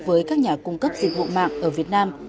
với các nhà cung cấp dịch vụ mạng ở việt nam